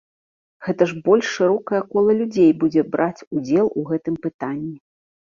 Гэта ж больш шырокае кола людзей будзе браць удзел у гэтым пытанні.